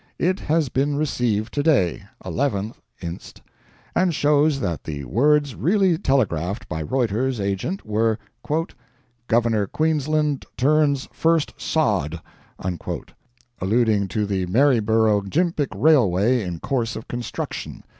It has been received today (11th inst.) and shows that the words really telegraphed by Reuter's agent were "Governor Queensland TURNS FIRST SOD," alluding to the Maryborough Gympic Railway in course of construction.